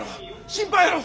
心配やろ。